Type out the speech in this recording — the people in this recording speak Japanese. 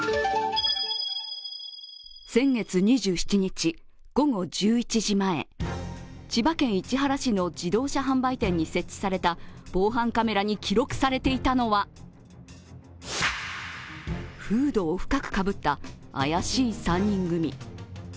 先月２７日午後１１時前、千葉県市原市の自動車販売店に設置された防犯カメラに記録されていたのはフードを深くかぶった怪しい３人組。